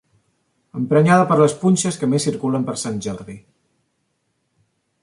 Emprenyada per les punxes que més circulen per sant Jordi.